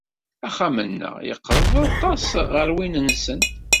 Axxam-nneɣ yeqreb aṭas ɣer win-nsent.